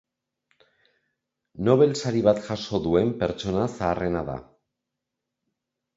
Nobel sari bat jaso duen pertsona zaharrena da.